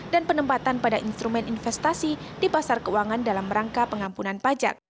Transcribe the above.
penempatan pada instrumen investasi di pasar keuangan dalam rangka pengampunan pajak